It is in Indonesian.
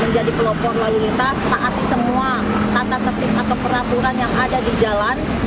menjadi pelopor lalu lintas taati semua tata tertib atau peraturan yang ada di jalan